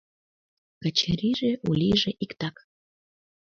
— Качыриже, Улиже — иктак.